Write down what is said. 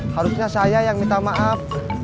harusnya saya yang minta maaf